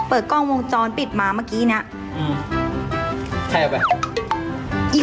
เปิดกล้องวงจรปิดมาเมื่อกี้นี้